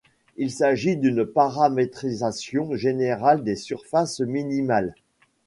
Il s'agit d'une paramétrisation générale des surfaces minimales.